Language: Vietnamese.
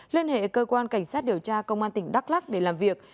liên hệ cơ quan cảnh sát điều tra công an tỉnh đắk lắc để làm việc